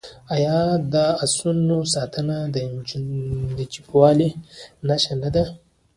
آیا د اسونو ساتنه د نجیبوالي نښه نه ده؟